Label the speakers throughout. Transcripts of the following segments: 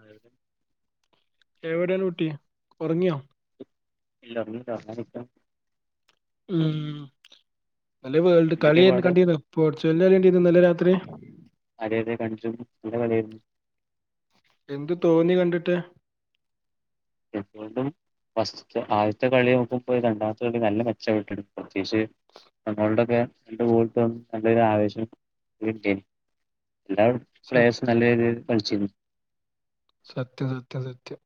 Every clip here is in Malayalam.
Speaker 1: അതക്കെ
Speaker 2: എവിടൊണ്കു ട്ടി ഉറങ്ങിയോ
Speaker 1: ഇല്ല ഉല്ല അട്ട
Speaker 2: ഉം നല്ല വേൾഡ് കളി
Speaker 1: എന്തൊക്കെയാ പാട്
Speaker 2: കണ്ടിന്ന് പോർച്ചുഗലിന കളി കണ്ടിു ന്നലെ രാത്രി
Speaker 1: കാണിച്ചും
Speaker 2: എന്ത് തോന്നി കണ്ടിട്ട്
Speaker 1: എന്ത വസ് ആദ്യത്തെ കളി നോക്കുമ്പോ രണ്ടാമത്തെ കളി നല്ല മെച്ച ഇട്ടിടു പ്രത്യേകിച്ച് റോണോലോൽടൊക്കെ എന്റെ കൂട്ടത്തന്നും നല്ല ആവേശം എല്ലാ
Speaker 2: സ
Speaker 1: പ്ലേയേഴസും നല്ല രീതിയിൽ കളിച്ചിരുന്നു
Speaker 2: സത്യ സത്യം സത്യം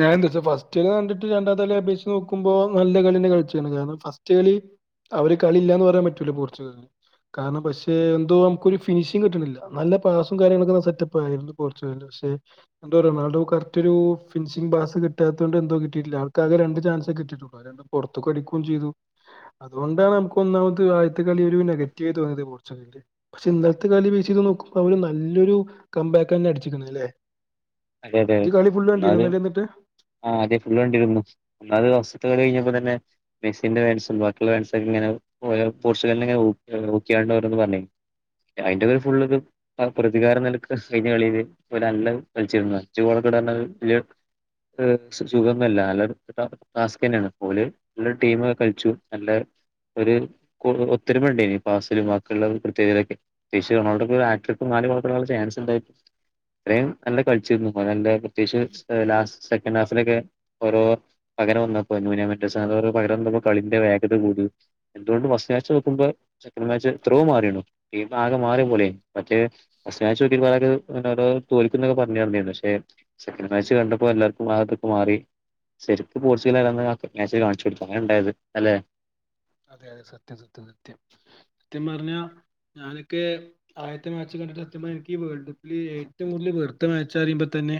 Speaker 2: ഞാ എച്ചാ ഫസ്റ്റ് കളി കണ്ടിട്ട് ഫസ്റ്റ് ല്കണ്ടിട്ട് രണ്ടാത്തെ തളെ അപേക്ഷിച്ച് നോക്കുമ്പോ നല്ല കളെ കളിച്ചാണ് കാരണം ഫസ്റ്റ് കളി അവര് കളി ഇല്ല എന്ന് പറയാൻ പറ്റൂല പോർച്ചുഗലന് കാരണം പക്ഷെ എന്തോ നമുക്കൊരു കാരണം ഫഷ് എന്തോ നമുക്കൊരു ഫിനിഷിംഗ കിട്ടുന്നില്ല നല്ല പാസും കാര്യങ്ങളൊക്കെ സെറ്റപ്പ് ആയിരുന്നു പോർച്ചു പക്ഷെ എന്തോ റൊണാഡോ കറക്റ്റ് ഒരു ഫിനിഷിംഗ് ബാസ് കിട്ടാത്തത് കൊണ്ട് എന്തോ കിട്ടില്ല ആൾക്കകെ ര ചാൻസ കട്ട്ടുള്ളൂ അണ്ട് പുറത്തത്ത് കടിക്കുകയും ചെയ്തു അതുകൊണ്ടാണ് നമുക്ക് ഒന്നാമത് അതുകൊണ്ടാണ് നമുക്ക് ഒന്നാമത്തെ ആദ്യത്തെ കളി ഒരു നെഗറ്റീവായിയി തോന്നിയത് പോർച്ചുകളയാറ്റ് പക്ഷെ ഇന്നലത്തെ കളി വ നോമ്പര് നല്ലൊരു കമ്പാക്ക് തന്നെ അടിച്ചിുന്നു അല്ലേ
Speaker 1: അതെ അതെെ
Speaker 2: ഇജ്ജ് കളി ഫുള്ള് കണ്ടിരുന്നോ
Speaker 1: ഒന്നാത്
Speaker 2: ഇന്നലെ എന്നിട്ട്
Speaker 1: ആഹ് അതേ ഫുൾ കണ്ടിരുന്നു ഒന്നാത് ഫസ്ത്തെ കളി കഴിഞ്ഞപ്പോ തന്നെ മെക്സിന്റെ വേൻസ് ബാക്കിയുള്ള വേൻൊക്കെ ഇങ്ങനെ പോർച്ചുഗലിന ഊക്കിയാണ്ട് ഓരോന്ന് പറഞ്ഞീനി അതിന്റെ പേര് ഫുള്ത് പ്രതികാരം നൽക്ക് കഴിഞ്ഞ കളിയത് നല്ല കളിച്ചിുന്ന ചോളക്കട വല് സുഗാന്നൂല്ല ല്ല നല്ല ടാസ്ക് തന്നെയാണ് പോല് നല്ല ടീമ കളിച്ചു നല്ല ഒരു ഒത്തരുമെണ്ടേന് പാസിലും ബാക്കിയുള്ള കത്യകതയിലൊക്കെത്േകിച്ച്റൊണാൾഡോ ക്ക് ചാൻസ് ഉായിും ഇത്രയും നല്ല കളിച്ചിരുന്നു നല്ല പ്രത്യേകിച്ച് ലാസ്റ്റ് സെക്കൻ് ഹാഫിലൊക്കെ ഓരോ പകരം വന്നപ്പോ പകരം കളിന്റെ വേഗത കൂടും എന്തുകൊണ്ട് ഫസ്റ്റ് മാച്ച് നോക്കുമ്പോ സെക്ക മാച്ച് എത്രോമാറീൺ ആകെ മാറിയ
Speaker 2: സ-
Speaker 1: പോലെ മറ്റേോക്കിെ തോ ൊക്കെ പറഞ്ഞന്ന പക്ഷെ സെക്കൻ് മാച്ച് കണ്ടപ്പോ എല്ലാവർക്കും ആകത്തൊക്കെ മാറി ശരിക്കക്ക് പോർച്ചുഗൽ അല്ലന്ന് കാണിച്ചു കൊടുത്തു അങ്ങനെ ഉണ്ടായത് അല്ലെ
Speaker 2: അതെ അതെ സത്യം സത്യം സത്യം സത്യം പറഞ്ഞാ ഞാനൊക്കെ ആയത്തെ മാച്ച സത്യം പറഞ്ഞ ന്കി വേൾ്ഡ് കപ്പ് ൽ ഏറ്റവും കൂടുതൽ വെറത്ത മാച്ച് അറിയുമ്പോ തന്നെ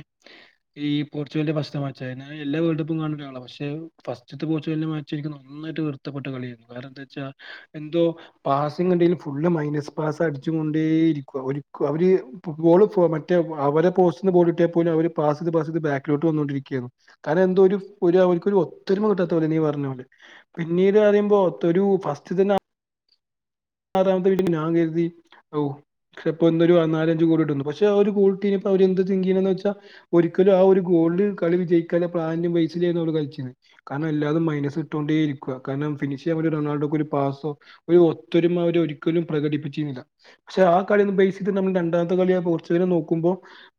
Speaker 2: ഈ പോർച്ചുഗി മാ ആെ എല്ല വേൾ് കപ്പും കാണ പക്ഷെ ഫസ്റ്റത്ത് എല്ലാ വേർഡ് കപ്പ്‌ കാണുന്ന ആളാണ് പക്ഷെ ഫസ്റ്റ് തെ വല്ല മാച്ചായിരിക്കും നന്നായിട്ട് വൃർത്തപ്പെട്ട കളിയാണ് വേറെ എന്താ വച്ചാ എന്തോ പാസിനെടേൽ ഫുള്ള് മൈനസ് പാസ് അടിച്ച കൊണ്ടേ ഇരിക്കുവ അവര് ഫുട്ബോള് മറ്റേ അവരെ അവർ പോസ്ന്ന്ോൾിട്ടിയ പോലും അവര് പാസ് ചെയ്ത് പാസ് ചെയ്ത് ബാക്കക്ക്ിലോട്ട് വന്നോണ്ടിരിക്ക കാരണം എന്തോ അവർക്കൊരു ഒത്തൊരുമ കിട്ടാത്ത പോലെ നീ പറഞ്ഞ പോലെ പിന്നീട് പറയുമ്പോ ത്തൊരു ഫസ്റ്റ് തന്നെ ആറാമത്തെ കിട്ടീപ്പം ഞാൻ കരുതി ഓ ഇപ്പോന്നൊരു നാലഞ്ച് ഗോളിടുന്ന് പക്ഷെ ആ ഒരു ഗോൾട്ടി അവര് എന്ത തിങ്ക് ചെയ്യണേന്ന് വെച്ചാ ഒരിക്കലും ആ ഒരു ഗോൾ കളി വിജയിക്കാൻള്ള പ്ലാൻ ബേസ് ചെയ്തോല് കളിച്ച്ണത് കാരണം എല്ലാതും മൈനസ് ഇട്ടോണ്ടേ ഇരിക്കുക കാരണം ഫിനിഷ് ചെയ്യാൻ ഒരു റൊണാൾഡോക്കൊരു പാസോ ഒരു ത്തൊരുമ ഒരു ഒരിക്കലും പ്രകടിപ്പിച്ചിൻന്നില്ല ക്ഷെ ആ കളിന്ന് ബേസ് ചെയ്ത് നമ്മൾ രണ്ടാമത്തെ കളി പോർച്ചുഗല് നോക്കുമ്പോൾ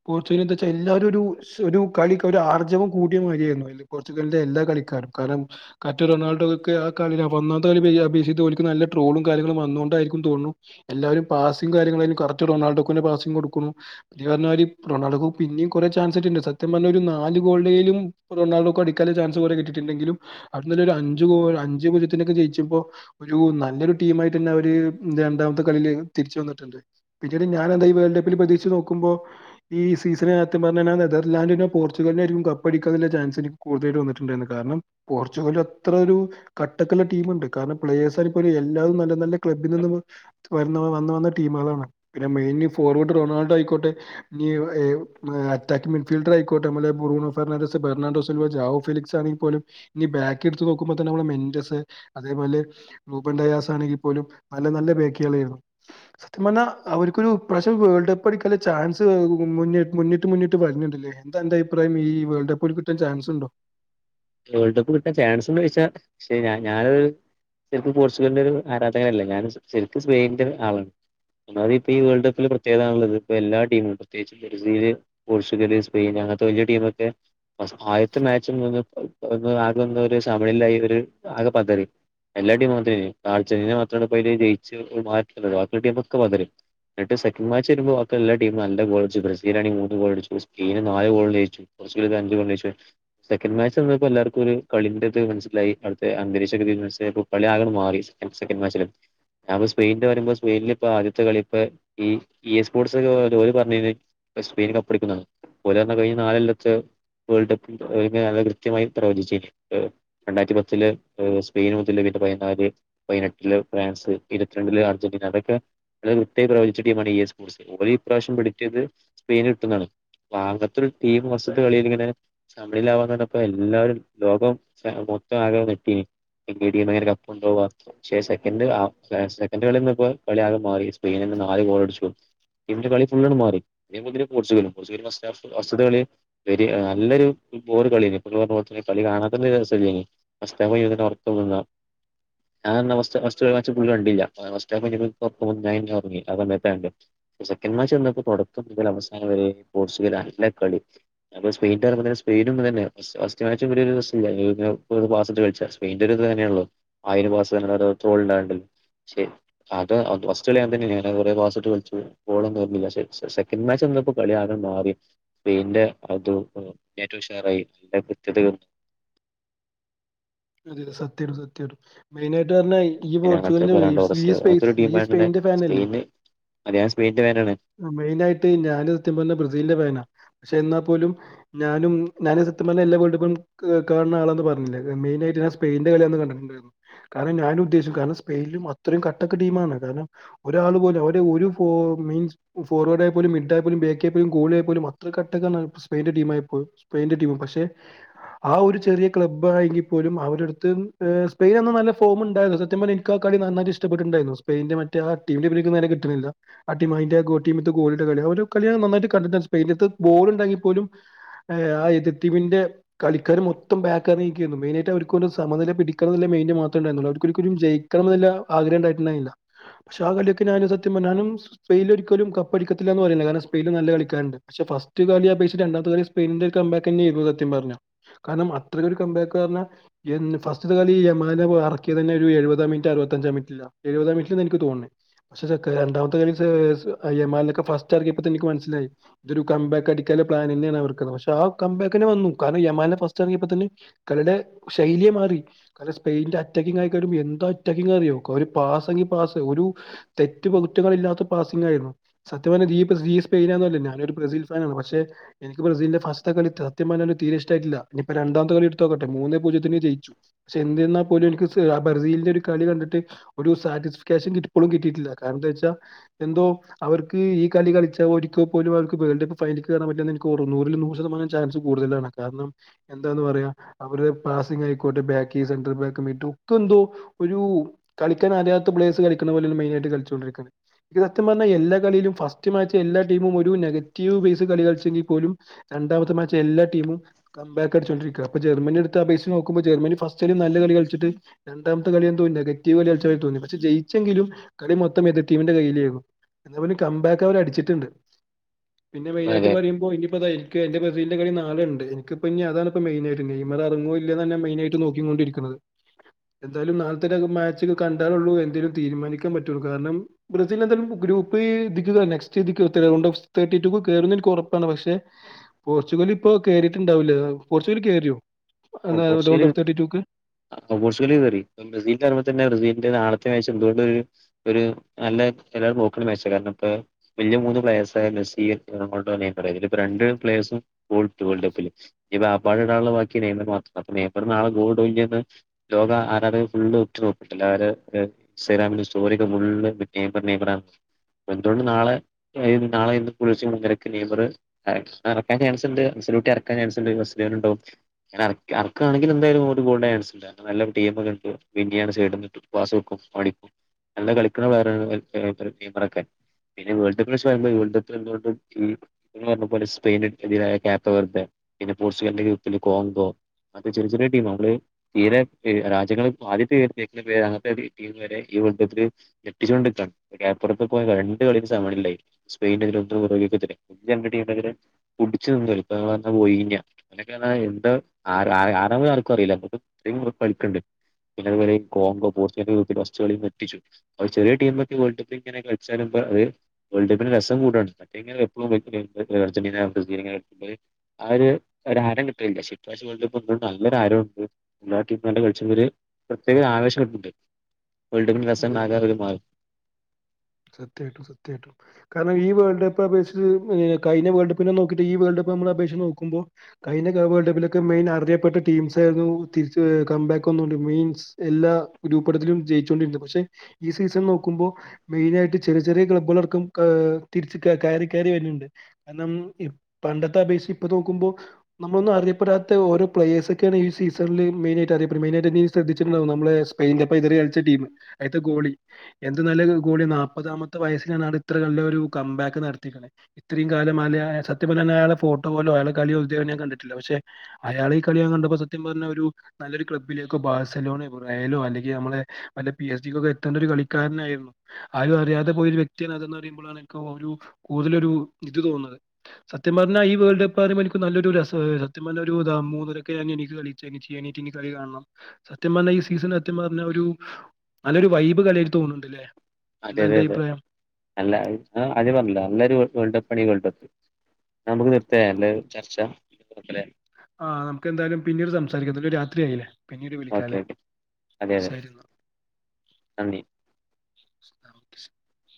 Speaker 2: പോർച്ചുഗല് എന്താച്ച എല്ലാവരും ഒരു സ് കളിക്ക് ഒരു ആർജവം കൂടിയ മാതിരിയായിരുന്നു പോർച്ചുഗലി എല്ലാ കളിക്കാരും കാരണം കാറ്റ് റൊണാൾഡോ ഒക്കെ ആ കളി ഒന്നാത്തെ കളി [unintelligible] ഓൽക്ക് നല്ല ട്രോളും കാര്യങ്ങളും വന്നൊണ്ടായിരിക്കും തോന്നുണു എല്ലാവരും പാസും കാര്യങ്ങള കറക്റ്റ് റൊണാൾഡോൾക്ക് പാസിങ്ങ് കൊടുക്കണു ഇജ് പറഞ്ഞ മാതിരി റൊണാൾഡോക്ക് പിന്നിം കുറെ ചാൻസ് കിട്ടീട്ടുണ്ട് സത്യം പറഞ്ഞ ഒരു നാല് ഗോൾടേലും റൊണാൾഡോക്ക് അടിക്കാള്ളൊരു ചാൻ- അഞ്ചുബോൾ കിട്ടിട്ട് ഇണ്ടെങ്കിലും അതിലൊരു അഞ്ചുഗോൾ അഞ്ചുമിനിറ്റിലൊക്കെ ജയിച്ചപ്പോ ഒരു നല്ലൊരു ടീമായിട്ട് യെന്നെ അവര് രണ്ടമത്തെ കളിയിൽ തിരിച്ച് വന്നിട്ട്ണ്ട് പിന്നീട് ഞാൻ അതാ ഈ വേൾഡ് കപ്പിൽ പ്രതീക്ഷിച്ച് നോക്കു മ്പോ ഈ സീസണ്കാ സത്യം പറഞ്ഞ നെതർലാന്റിനോ പോർച്ചുഗലിനോ ആയിരിക്കും കപ്പടിക്കാന്ന്ള്ള ചാൻസ് ഇനി കൂടുത വന്നിട്ടുണ്ടായിരുന്നു കാരണം പോർച്ചുഗൽ അത്ര ഒരു കട്ടക്കുള്ള ടീമുണ്ട് കാരണം പ്ലേഴ്സ് അയിപ്പ എല്ലാതും നല്ല നല്ല ക്ലബ്ബിൽ നിന്ന് വരുന്നവ വന്ന വന്ന ടീമാളാണ് പിന്നെ മെയിൻ ഫോർവെട്ട് റൊണാൾഡോ ആയിക്കോട്ടെ ഇനി തക്മിൻ ഫിൽട്ടർ ആയിക്കോട്ടെ [unintelligible] ഫിലിക്സ് ആണെക്കിൽ പോലും ഇനി ബാക്ക് എടുത്ത് നോക്കുമ്പോ തന്നെ നമ്മളെ മെന്റസ് അതേപോലെ മു [unintelligible] ആണെങ്കിൽ പോലും നല്ല നല്ല ബേക്കിക്കായിരുന്നു സത്യം പറഞ്ഞ അവർക്കൊരുപ്രശം വേൾഡ് കപ്പ് അടിക്ക ചാൻസ് മുന്നിൽ മുന്നിട്ട് മുന്നിട്ട് പറഞ്ഞിണ്ട് എന്താ അന്റെ അഭിപ്രായം ഈ വേൾഡ് കപ്പ് ഓൽക്ക് കിട്ടാൻ ചാൻസ് ഉണ്ടോ
Speaker 1: വേൾഡ് കപ്പ് കിട്ടാൻ ചാൻസ് ഉണ്ടോ ചോദിച്ച പക്ഷെ ഞ ഞാനൊരു ശരിക്കും പോർച്ചുഗലിന്റെ ഒരു ആരാധകനല്ലെ ഞാനും ശരിക്കും സ്പെയിനിന്റെ ആളാണ് അന്നാത്, ഇപ്പ, ഈ, വേൾഡ്, കപ്പില് പ്ര, യേകതണ, ഉത് ഇപ്പോ, എല്ലാ, ടീമും, പ്രത്യകിച്ച്, ബ്രീൽ, പോർച്ചുഗല് സ്പെയിൻ അങ്ങനത്തെ വലിയ ടീമ ഒക്കെ ആയത്തെ മാച്ച ഒ ആകൊന്ന ഒരു സമിളായി ഒരു ആകെ പന്തറി എല്ലാടീമും മാത്ര നൾെന്നെ മാത്ര പ ജയിച്ച മാറ്റ ബാക്കിയുള്ള ടീമ ക്കെ എന്നിട്ട സെക്കൻഡ് മാച്ച് വരുമ്പോൾ എല്ല ടീമും നാലു ഗോളടിച്ചു ബ്രസീൽണ മൂന്ന് ഗോൾടിച്ചു സെനന് നാ ഗോൾ ജയിച്ചു [unintelligible] എല്ലർക്കും കളി ന്റ ത് മനസിലായി അവിടുത്തെ അന്തരീക്ഷതി കളി ആക മാറി മാ [unintelligible] ഞ സ്പെയിനിന്റെ വരുമ്പോ സ്പെയിനിൽ ഇപ്പ ആദ്യത്തെ കളിപ്പ ഈ ഇ സ്പോർട്സ് ഒ ജോലി പറഞ്ഞന് സ്പെയിൻ കപ്പ് എടുന്നതാണ് പോലെ തന്ന കഴി നാലല്ലത്ത് വേൾഡ് കല്ല കൃത്യമായി പ്രവചി് രണ്ടായിരത്തി പത്തിൽ സ്പെയിൻ മുതൽന്റെ പതിനാല് പതിനെട്ടില് ഫ്രാൻസ് ഇരുപത്തി രണ്ടില് അർജന്റീന ഇതൊക്കെ അത് ഒട്ടായി പ്രവചിച്ച ടീമാണ് ഇ എ സ്പോർട്സ് ഓലി ഇപ്രാവശ്യം പിടിച്ചിയത് സ്പെയിനിൽ കട്ടുന്നതാണ്. ഭാഗത്തരു ടീം വസ്ത്ത് കളിൽ ഇങ്ങനെ സമിളിലാവാ ഇപ്പൊ എല്ലാരും ലോകം മൊത്തം ആകെ നെട്ടീന് എ ഭ കപ്പുുക പക്ഷെ സെക്ക സെക്ക കള കെ മാ സെ നാലു ഗോളടിച്ചു. ഇ കളി ഫണ് മാറി പോർച്ചുഗലും പോർച്ചുഗല വസ്തുകള വ നല്ലൊരു ബോർ കളി കളി കാണാത്തോണ്ട് രസല്യേ നി ഞാൻ അവ അവുള്ളി കണ്ടില്ല അവപ്പ ഞ പറി അത്ന്നത്തണ്ട് സെക്കൻ് മാച്ച് വന്നപ്പോ തുടക്കം മുതൽ അവസാന വരെ പോർച്ചുഗൽ അല്ല കളി അ സ്പെയിന്റെ പേരുമ്പ തന്നെ [unintelligible] പാസ്സ് ഇട്ട് കളിച്ച [unintelligible] ആയിരം പാസ്സ് [unintelligible] തോൾഡാണ്ട് ശരി അത് ഓലത് ഫസ്റ്റ് കളിയങ്ങേൻതന്ന ആണ് അല്ലാതെ കോറെ പാസ്ട്ട് കളിച്ച് ഗോളൊന്നും തന്നില്ല സെക്കെണ്ട് മാച്ച് ഇന്ന്പ്പോ കളിയാക മാറി സ്പെയിന്റെ അത് മ് ഏറ്റവും ഉഷാറായി [unintelligible]
Speaker 2: അതെ അതെ സത്യായിട്ടും സത്യായിട്ടും മെയിനായിട്ട് ട്ട് പറഞ്ഞാ ഇ ഈ
Speaker 1: പിന്നെ അങ്ങനത്തെ
Speaker 2: പോർച്ചുഗലിന്റെ
Speaker 1: ഫെറാൻ ടോറസ് അങ്ങനത്തെ ഒരു
Speaker 2: [unintelligible] ഈ
Speaker 1: ടീമായിട്ട് തന്നെ
Speaker 2: സ്പെയിന്റെ ഫാനല്ലേ
Speaker 1: സ്പെയിന് അത് ഞാൻ സ്പെയിന്റെ ഫാനാണ്
Speaker 2: മെയിനായിട്ട് ഞാന് സത്യം പറഞ്ഞ ബ്രസീലിന്റെ ഫാന പക്ഷെ എന്നാ പോലും ഞാനും ഞാനോരു സത്യം പർഞ്ഞാ എല്ലാ വേൾഡ് കപ്പ്കളും കാൺണാ ആളാന്ന് പർണിലെ മെയിനാ ന്റീനാ സ്പെയിൻന്റെ കളിയാന്ന് കണ്ട്ട്ട് ഇണ്ടായിരുന്നു കാരണം ഞാൻ ഉദ്ദേശിച്ച് കാരണം സ്പെയിൻലും അത്രയും കട്ടക്ക് ടീമാണ് കാരണം ഒരാൾ പോലും അവര് ഒര് ഫോ മീൻസ് ഫോർവേർഡ് ആയ പോലും മിഡ് ആയാ പോലും ബേക്കെ പോയി ഗോളി ആയാൽ പോലും അത്രക്ക് കട്ട എന്താണ് സ്പെയിന്റെ ട്ടീം ആയപ്പോൾ സ്പെയിന്റെ ട്ടീം പക്ഷെ ആ ഒരു ചെറിയ ക്ലബ്ബായെങ്കി ത പോലും അവരെ എട്ത്ത് മ് സ്പെയിൻ എന്നും നല്ല ഫോം ഇണ്ടായിരുന്നു സത്യം പർഞ്ഞാ ഇൻക്കാ ആ കളി നന്നായിട്ട് ഇഷ്ട്ടപ്പെട്ട്ട്ട് ഇണ്ടായിരുന്നു സ്പെയിന്റെ മറ്റെ റ്റെ ആ ടീമിന്റെ പേര് ഇൻക്ക് നേരെ കിട്ട്ണില്ല. ആ ടീം അയിന്റെ ഗോൾ ടീമിത്തെ ഗോൾ കിട്ടാൻ വേണ്ടി ഒര് കളി ഞാൻ നന്നായിട്ട് കണ്ടിടെന്നെ സ്‌പെയിൻ ത്തെ ബോൾ ഇണ്ടെങ്കി പോലും ഏ ആ എതിർടീമിന്റെ കളിക്കാര് മൊത്തം ബാക്ക് എറങ്ങിക്കെയ്രുന്നു മെയിനായി മറ്റേ അവർക്ക് ഒരു സമനില പിടിക്കണംന്ന്ള്ള മെയിൻഡ്‌ മത്രെ ഇണ്ടായിരുന്നൊള്ളു അവർക്കോരുകുരു ജയിക്കണംന്ന്ള്ള ആഗ്രഹം ഇണ്ടായിട്ട് ഇണ്ടായിന്നില്ല പക്ഷെ ആ കളിയൊക്കെ ഞാനും സത്യ പറഞ ഞാനും സ്പെയിൽ ഒരിക്കലും കപ്പടിക്കത്തില്ലന്ന് പറില്ല കാരണം സ്പെയ്ലും നല്ല കളിക്കാരുണ്ട് പക്ഷെ ഫസ്റ്റ് കളി അപേക്ഷച്ച് രണ്ടാത്തെ കളി സ്പയിനിന്റെ ഒരു കംമ്പാക്ക് തന്നെയായിരുന്നു സത്യം പറഞ്ഞ കാരണം അത്രക്കൊ ഒരു കമ്പാക്ക് പറഞ്ഞാ എന്ന് ഫസ്റ്റ്ത്തെകളി ഈമാനെ എറക്കിയതെന്നെ ഒരു എഴുപതാം മിനിറ്റ് അറപത്തഞ്ചാം മിനിറ്റില എഴുപതാം മിനിറ്റിലാന്ന എനിക്ക് തോന്നണെ പക്ഷെ സെക്ക രണ്ടാമത്തെ ഒക്കെ [unintelligible] എനിക്ക് മനസ്സിലായി ഇതൊരു കംമ്പാക്ക് ടിക്കാള്ള പ്ലാൻ തന്നെയാണ് അവർക്ക് പക്ഷെ ആ കംമ്പാക്കെന്നെ വന്നു കാരണം യെമാനെ ഫസ്റ്റ് എറങ്ങേപ്പോ തന്നെ കളിടെ ശൈലിയെ മാറി കാരണം സ്പെയിന്റെ അറ്റാക്കിങ്ങ് അയക്കാരം എന്താ അറ്റാക്കിങ് അറിയോ ഒരു പാസ്സ് എങ്കി പാസ്സ് ഒരു തെറ്റ് പകുത്തുകൾ ഇില്ലാത്ത ത്ത പാസ്സിങ് ആയിരുന്നു സത്യ പറയ [unintelligible] സ്പെയിന പറഞ്ഞിലെ ഞാനൊരു ബ്രസീൽ ഫാനാണ് പക്ഷെ എനിക്ക് ബ്രസീലിന്റെ ഫസ്റ്റ് ത്തെ കളി സത്യം പറഞ്ഞ തീരെ ഇഷ്ടയിട്ടില്ല ഇനിപ്പോ രണ്ടാമത്തെ കളി എടുത്തു നോക്കട്ടെ മൂന്നെ പൂജ്യത്തിന് ജയിച്ചു പക്ഷെ എന്നിരുന്നപോലും എനിക്ക് ബ്രസീലിന്റെ ഒരു കളി കണ്ടിട്ട് ഒരു സാറ്റിസ്ക്ഫാക്ഷൻ കി ഇപ്പളും കിട്ടിയിട്ടില്ല കാരണം എന്താ വെച്ചാ എന്തോ അവർക്ക് ഈ കളി കളിച്ചാൽ ഒരിക്ക പോലും അവർക്ക് വേൾഡ് കപ്പ്‌ [unintelligible] റൂറിൽ നൂറ് ശതമാനം ചാൻസ് കൂടുതലാണ് കാരണം എന്താന്ന് പറയാ അവര് പാസിങ്‌ ആയിക്കോട്ടെ ബാക്കി സെന്റ ബാക്ക് മീറ്റ ഒക്കെ എന്തോ ഒരു കളിക്കാൻ അറിയാത്ത പ്ലേസ് കളി [unintelligible] പോലെ മെയിൻ ആയിട്ട് കളിച്ചോണ്ടിരിക്കാണ് ഇത് സത്യം പറഞ്ഞ എല്ലാ കളിയിലും ഫസ്റ്റ് മാച്ച് എല്ലാ ടീമും ഒരു നെഗറ്റീവ് ബേസ് കളി കളിച്ചെങ്കിൽ പോലും രണ്ടാമത്തെ മാച്ച് എല്ലാ ടീമും കംമ്പാക്ക് അടിച്ചുകൊണ്ടിരിക്കുക അപ്പൊ ജർമ്മനി അപേക്ഷിച്ചു നോക്കുമ്പൊ ജർമനി ഫസ്റ്റ്ല് നല്ല കളി കളിച്ചിട്ട് രണ്ടാമത്തെ കളിയെന്തോ നെഗറ്റീവ് കളി കളിച്ച പോലെ തോന്നി പക്ഷെ ജയി ച്ചെങ്കിലും കളി മൊത്തം എതിർ ടീമിന്റെ കയ്യിലായിരുന്നു അതേപോലെ കംബാക്ക് അവർ അടിച്ചിട്ട്ണ്ട് പിന്നെ മെയിനായിട്ട്
Speaker 1: അതെ
Speaker 2: പറയുമ്പോ ഇനിപ്പോ ഇത എനിക്ക് എന്റെ ബ്രസീലിന്റെ കളി നളെണ്ട് എനിക്ക് ഇപ്പനി അതാണ് മെയിനായിട്ട് നെയ് മർ എറങ്ങോ ഇല്ലേന്ന ഞാൻ മെയിനായിട്ട് നോക്കിക്കൊണ്ടിരിക്ക്ണത് എന്തായാലും നാളത്തെ മാച്ച് കണ്ടാലുള്ളൂ എന്തെലും തീരുമാനിക്കാ പറ്റുള്ളൂ കാരണം ബ്രസീൽ എന്തായാലും ഗ്രൂപ്പ്‌ ഇതിക്ക് നെക്സ്റ്റ് ഇതിക്ക് [unintelligible] തേർട്ടിറ്റുക്ക്‌ കേറുന്നിൻക്ക്‌ ഒറപ്പാണ് പക്ഷെ പോർച്ചുഗൽ ലിപ്പൊ കേറിയിട്ടുണ്ടാവില്ലേ പോർച്ചുഗൽ കേറിയോ
Speaker 1: ആ പോർച്ചുഗൽ ആ പോർച്ചുഗൽ കേറി ബ്രസിൽ അങ്ങനെ തന്നെ ബ്രസീൽന്റെ നാളെ [unintelligible] എന്തൊണ്ട ഒരു നല്ല എല്ലാവരും നോക്കണ മാച്ച കാരണം ഇപ്പ വലിയ മൂന്ന് പ്ലയെർസ് [unintelligible] ബ്രസീൽ [unintelligible] അതി ലപ്പം രണ്ട് പ്ലയേഴ്‌സും [unintelligible] വേൾഡ് കപ്പില് ഈ നാപ്പെണ്ണം ഇടാള്ള ബാക്കി [unintelligible] [unintelligible] ലോക ആരാധകര് ഫുള്ള് ഉറ്റ് നോക്കു [unintelligible] [unintelligible] എന്തുകൊണ്ട് നാളെ നാളെ ഇന്ന് [unintelligible] നെയ്മറ് എറക്കാൻ ചാൻസ് ഉണ്ട് [unintelligible] [unintelligible] അറക്കാണെങ്കില് എന്തായാലും ഒരു ഗോൾ ചൻസ്ണ്ട് [unintelligible] ഓൻ അടിക്കും നല്ല കളിക്കണ [unintelligible] പിന്നെ വേൾഡ് കപ്പ്യോ വേൾഡ് കപ്പിൽ എന്തണ്ട് പറഞ്ഞ പോല സ്പെെയുന്തിരായപ്പവർ പിന്നെ പോർച്ചുഗലിന്റെ യപ്പത്തില് കോങ്കോ അത്തെ ചെറിയ ചെറിയ ടീം നമ്മള് തീരെ രാജ്യങ്ങൾ ആദ്യത്തെർത്തിക്കുന്ന പേ അങ്ങനത്തെ ടീം വരെ ഈ വേൾഡ് കപ്പില്ഞെട്ടിച്ചു കൊണ്ടിക്കപ്പുറത്തെ പോ രണ്ട് കളി സമാനല്ലായി സ്പെയിന്റെറ കുച്ചച്ച് നിയിഞ്ഞ അക്കെ [unintelligible] എന്ത ആ ആ ആർക്കും അറിയില്ല ഇത്രയുംറപ്പ കളിക്കണ്ട് പിന്നവരെയ കോോ പോർച്ചുഗൽസ്കളും എറ്റിച്ചു ചെറിയ ീമെ വേൾഡ് കപ്പ് ഇങ്ങനെ കളിച്ചാലും അത് വേൾഡ് കപ്പിന് രസം കൂടാണ് മറ്റ എഴും അർജന്റീന ആ ഒരുഹാരം കിട്ടലില്ല ശരിക്കും അത്യാശ്യ വേൾഡ് കപ്പ്ണ്ട് നല്ലരു ആരുണ്ട്ാ ടീം നല്ല കളിച്ചവല് പ്രത്യേക ആവേശംുണ്ട് വേൾഡ്ക്കപിന്റയ് രസം
Speaker 2: അതെ
Speaker 1: ആകെ
Speaker 2: അതെ
Speaker 1: അങ്ങ് മാറും
Speaker 2: സത്യായിട്ടും സത്യമായിട്ട കാരണം ഈ വേൾഡ് കപ്പ് അപക്ഷിച്ച്ഴിഞ്ഞ വേൾഡ് കപ്പിനെ നോക്കിട്ട് ഈ വേൾ്ട് - മ്മ അപേക്ഷ നോക്കുമ്പോ കഴിഞ്ഞ വേൾ് കപ്പിലൊക്കെ മെയിൻ അറിയപ്പെട്ട ടീം ആയിരുന്നു ടീംസ് - മീൻസ് എല്ലാ രൂപ്പെടത്തിലും ജയിച്ചോണ്ടിണ്ട് പക്ഷെ ഈ സീസൺ നോക്കുമ്പോ- മെയിന ആയിട്ട് ചെറിയ ചെറിയ ക്ലബ്ബുകൾക്കും തിരിച്ച കറി കയറി വന്നിണ്ട് കാരണം കണ്ടത്തെത്ത അപേക്ഷ ഇപ്പോ നോക്കുമ്പോ നമ്മളന്നും അറിയപ്പെടാത്ത ഓ പ്ലേഴ്സ ഒക്കെയാണ് ഈീസണില് മെയിനായി അറ- മെയിൻ ആയിട്ട് ശ്രദ്ധിച്ചിട്ടുണ്ടാവും നമ്മള് സ്പെയിന്റെപ്പ ഇത കളിച്ച ടീം അടുത്തെ ഗോളി എന്ത് നല്ല കൂടി നൽപ്പത്, നൽപ്പത്തിഞ്ച് വയസ്സില ഇത്ര നല്ലരു കാം ബാക്ക് നടത്തി ക്ണെ ഇത്രേം കാല സത്യം പറഞ്ഞല് യാളെ ഫോട്ടോ പോലെ അയാള കളിയോ ഇത് വരെ ഞാൻ കണ്ടിട്ടില്ല പക്ഷെ അയാളെ കളി ഞാൻ കണ്ടപ്പോ സത്യം പറഞ്ഞ ഒരു നല്ലരു ക്ലബ്ബിലേക്കെ ബാർസലോണെ ബുറയലോ അല്ലെങ്കിൽ നമ്മെളെ നല്ല പി എസ് ഡികൊ ക്കെ എത്തേണ്ട ഒരു കളിക്കാരനായിരുന്നു ആരും അറിയാതെ പോയൊരു വ്യക്തിയാണ് അതെന്ന് പറയുമ്പോഴാണ് ഒരു കൂടുതലൊരു ഇത് തോന്നുന്നത് സ - സത്യം പറഞ ഈ വെൾഡ് കപ്പ് അതേ മാതിരി നല്ലൊരു രസ സത്യം പറഞ ഒരു മൂന്നരാകൊക്കെ ഞ എനി കളിച്ച [unintelligible] കാണണം സത്യം പറഞ്ഞ ഈ സീസൺ സത്യം പറഞ്ഞ ഒരു നല്ലൊരു വൈബ് കളിയ തോന്നുന്നുണ്ട്ല്ലേ
Speaker 1: അതെ അതെ അതെ നല്ല അത് പറഞ്ഞില്ലോ നല്ലൊരു വേൾഡപ്പണി വേൾഡപ്പ് നമുക്ക് നിർത്തയ അല്ല ചർച്ച [unintelligible]
Speaker 2: ആഹ് നമുക്ക് എന്തായാലും പിന്നീട് സംസാരിക്കുന്ന ഇതിപ്പോ രാത്രിയയില്ലേ പിന്നീട്
Speaker 1: ഓക്കെ
Speaker 2: വിളിക്കാലേ
Speaker 1: അതെ അതെ
Speaker 2: ശരി ന്നാ
Speaker 1: നന്ദി
Speaker 2: ഓക്കേ